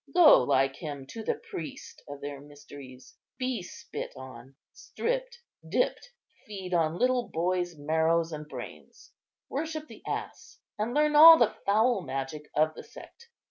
Go, like him, to the priest of their mysteries; be spit on, stripped, dipped; feed on little boys' marrow and brains; worship the ass; and learn all the foul magic of the sect.